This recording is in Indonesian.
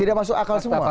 tidak masuk akal semua